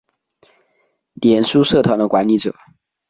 脸书社团的管理者